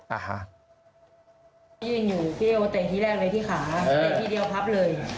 พี่ยังอยู่พี่เอมาเตะที่แรกเลยที่ขาเตะที่เดียวพับเลย